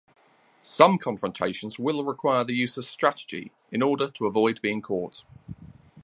Some confrontations will require the use of strategy in order to avoid being caught.